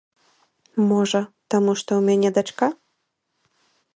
Можа, таму што ў мяне дачка?